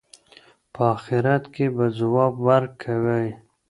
په آخرت کې به ځواب ورکوئ.